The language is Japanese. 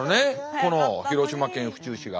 この広島県府中市が。